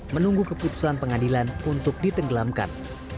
menunggu keputusan pengadilan untuk ditenggelamkan